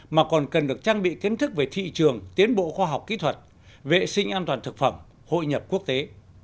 mà còn cần được trang bị kiến thức về thị trường tiến bộ khoa học kỹ thuật vệ sinh an toàn thực phẩm hội nhập quốc tế